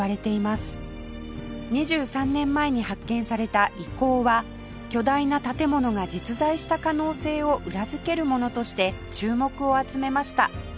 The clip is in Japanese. ２３年前に発見された遺構は巨大な建物が実在した可能性を裏付けるものとして注目を集めました